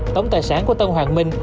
tổng tài sản của tân hoàng minh